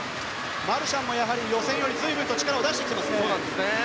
マルシャンも予選より随分と力を出してきた。